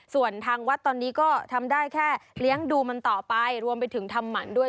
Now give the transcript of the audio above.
ส่วนทางวัดตอนนี้ก็ทำได้แค่เลี้ยงดูมันต่อไปรวมไปถึงทำหมันด้วย